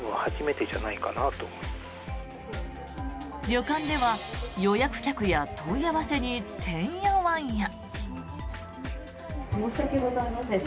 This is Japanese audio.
旅館では予約客や問い合わせにてんやわんや。